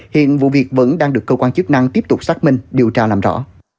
hiện vụ việc vẫn đang được cơ quan chức năng tiếp tục xác minh điều tra làm rõ